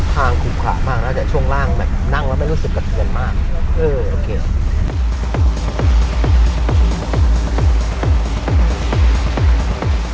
ทางขุบขามากนะแต่ช่วงล่างนั่งแล้วไม่รู้สึกกระเทียนมาก